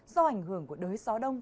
do ảnh hưởng của đới gió đông